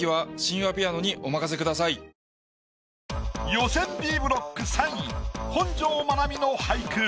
予選Ｂブロック３位本上まなみの俳句。